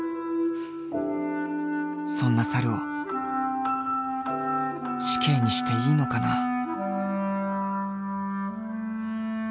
そんな猿を死刑にしていいのかな。